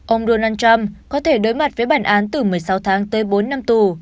ông donald trump có thể đối mặt với bản án từ một mươi sáu tháng tới bốn năm tù